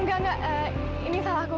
ya ini salah aku